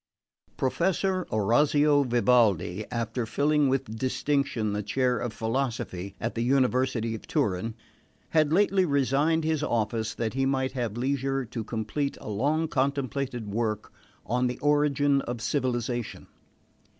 4. Professor Orazio Vivaldi, after filling with distinction the chair of Philosophy at the University of Turin, had lately resigned his office that he might have leisure to complete a long contemplated work on the Origin of Civilisation.